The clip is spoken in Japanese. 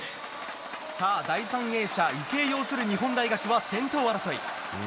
さあ、第３泳者池江擁する日本大学は先頭争い。